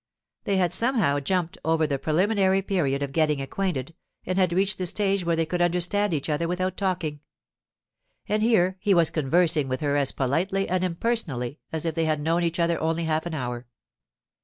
They had somehow jumped over the preliminary period of getting acquainted and had reached the stage where they could understand each other without talking. And here he was conversing with her as politely and impersonally as if they had known each other only half an hour.